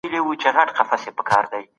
استدلال کول یو لوی کمال دی.